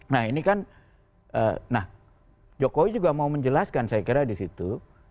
nah ini kan nah jokowi juga mau menjelaskan saya kira di situ